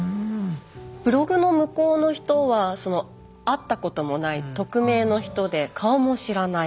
ブログの向こうの人は会ったこともない匿名の人で顔も知らない。